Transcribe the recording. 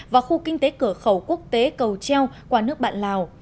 và khu kinh tế cửa khẩu quốc tế cầu treo qua nước bạn lào